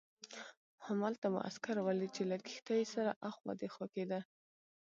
همالته مو عسکر ولید چې له کښتۍ سره اخوا دیخوا کېده.